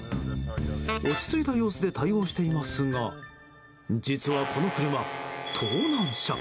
落ち着いた様子で対応していますが実はこの車、盗難車。